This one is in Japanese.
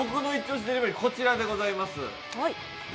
こちらでございます。